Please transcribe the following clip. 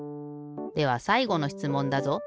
ではさいごのしつもんだぞ。